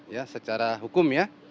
ya secara hukum ya